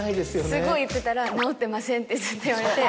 すごい言ってたら「治ってません」って言われて。